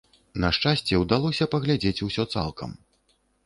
На шчасце, удалося паглядзець усё цалкам.